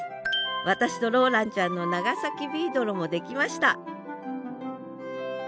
私とローランちゃんの長崎ビードロも出来ました